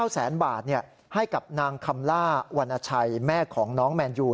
แสนบาทให้กับนางคำล่าวรรณชัยแม่ของน้องแมนยู